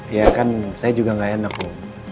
ya kan saya juga gak enak om